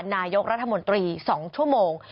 นายกรัฐมนตรี๒ชั่วโมง